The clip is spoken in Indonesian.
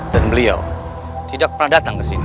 dan beliau tidak pernah datang ke sini